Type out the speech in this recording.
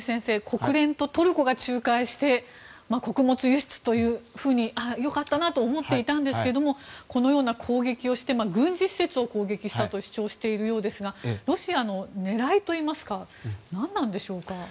国連とトルコが仲介して穀物輸出、良かったなと思っていたんですけれどこのような攻撃をして軍事施設を攻撃したと主張しているようですがロシアの狙いといいますか何なんでしょうか。